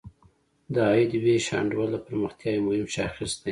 د عاید ویش انډول د پرمختیا یو مهم شاخص دی.